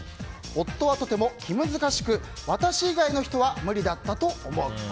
夫はとても気難しく私以外の人は無理だったと思うと。